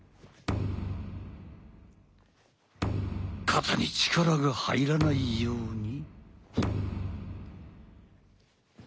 肩に力が入らないように。